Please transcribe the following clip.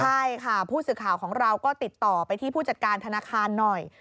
ใช่ค่ะผู้สื่อข่าวของเราก็ติดต่อไปที่ผู้จัดการธนาคารหน่อย